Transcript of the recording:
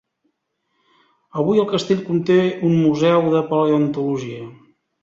Avui el castell conté un museu de paleontologia.